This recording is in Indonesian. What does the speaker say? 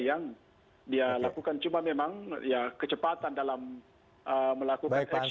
yang dia lakukan cuma memang kecepatan dalam melakukan aksi yang lebih kalat